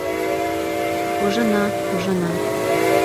— Ужына, ужына...